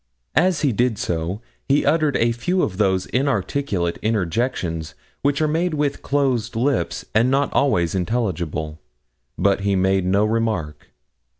As he did so he uttered a few of those inarticulate interjections which are made with closed lips, and not always intelligible; but he made no remark.